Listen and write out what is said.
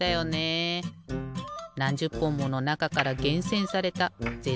なんじゅっぽんものなかからげんせんされたぜ